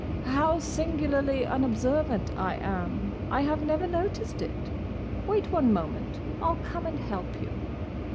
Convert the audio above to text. "How singularly unobservant I am! I have never noticed it. Wait one moment. I 'll come and help you."